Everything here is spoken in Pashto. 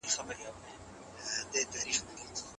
د سمندر د څپو غږ به څومره خوږ لګیږي؟